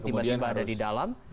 tiba tiba ada di dalam